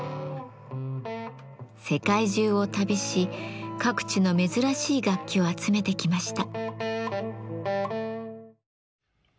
世界中を旅し各地の珍しい楽器を集めてきました。